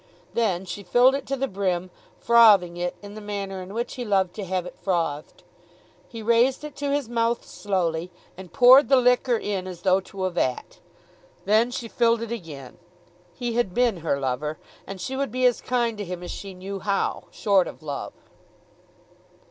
Then she filled it to the brim, frothing it in the manner in which he loved to have it frothed. He raised it to his mouth slowly, and poured the liquor in as though to a vat. Then she filled it again. He had been her lover, and she would be as kind to him as she knew how, short of love.